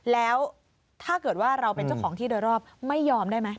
แล้วถ้าเกิดว่าเราเป็นเจ้าของที่โดยรอบไม่ยอมได้ไหม